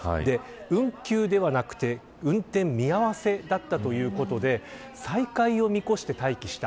運休ではなくて運転見合わせだったということで再開を見越して待機した